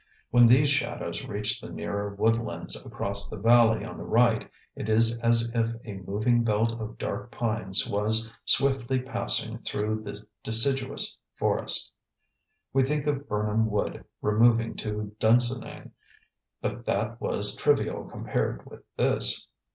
When these shadows reach the nearer woodlands across the valley on the right it is as if a moving belt of dark pines was swiftly passing through the deciduous forest. We think of Birnam wood removing to Dunsinane, but that was trivial compared with this.